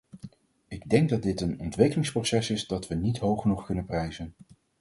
Ik denk dat dit een ontwikkelingsproces is dat we niet hoog genoeg kunnen prijzen.